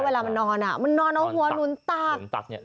เวลามันนอนอ่ะมันนอนเอาหัวหนุนตักเนี่ย